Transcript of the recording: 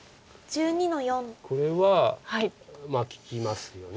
あっこれはまあ利きますよね。